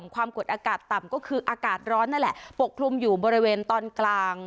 ความกดอากาศต่ำก็คืออากาศร้อนนั่นแหละปกคลุมอยู่บริเวณตอนกลาง